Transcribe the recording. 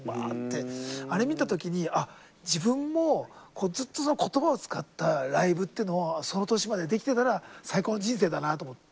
あれ見た時にあっ自分も言葉を使ったライブっていうのをその年までにできてたら最高の人生だなと思って。